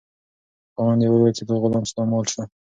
خاوند یې وویل چې دا غلام ستا مال شو.